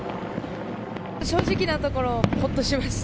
正直なところ、ほっとしました。